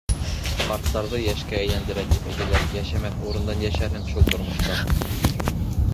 Ҡарттарҙы йәшкә әй-ләндерә, тип әйтәләр, йәшәмәҫ урындан йәшәрһең шул был тормошта...